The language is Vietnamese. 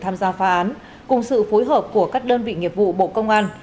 tham gia phá án cùng sự phối hợp của các đơn vị nghiệp vụ bộ công an